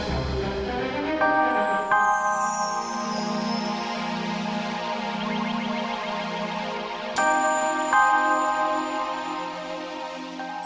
g saliva kepadamu